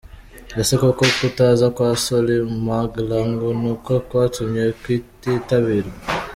Ese koko kutaza kwa Solly Mahlangu niko kwatumye kititabirwa?.